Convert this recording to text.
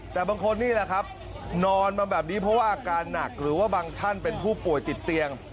แต่บางคนนี่แหละครับนอนมาแบบนี้เพราะว่าอาการหนักหรือว่าบางท่านเป็นผู้ป่วยติดเตียง